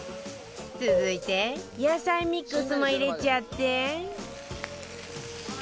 続いて野菜ミックスも入れちゃって